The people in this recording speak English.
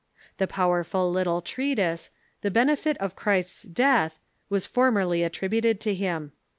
The powerful little treatise, " The Benefit of Christ's Death," was formerly atributed to him.